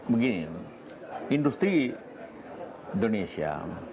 begini industri indonesia